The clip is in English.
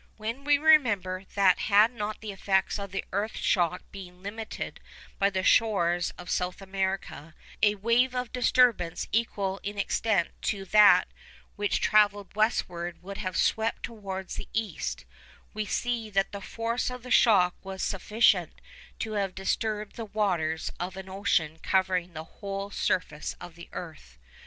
When we remember that had not the effects of the earth shock been limited by the shores of South America, a wave of disturbance equal in extent to that which travelled westward would have swept towards the east, we see that the force of the shock was sufficient to have disturbed the waters of an ocean covering the whole surface of the earth.